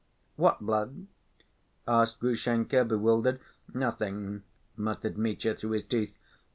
"What blood?" asked Grushenka, bewildered. "Nothing," muttered Mitya, through his teeth.